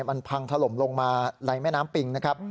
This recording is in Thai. มันพังถล่มลงมาในแม่น้ำปิงนะครับ